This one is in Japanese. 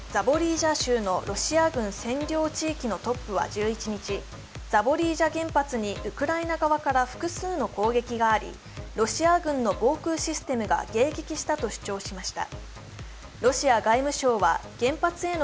タス通信によりますと、ザポリージャ州のロシア軍占領地域のトップは１１日、ザポリージャ原発にウクライナ側から複数の攻撃があり、ロシア軍の防空システムが迎撃したと主張しました。